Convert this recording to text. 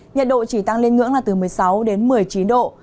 nhiệt độ chỉ tăng lên ngưỡng là từ một mươi sáu đến một mươi chín độ